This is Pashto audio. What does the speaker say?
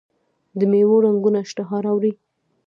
د میوو رنګونه اشتها راوړي.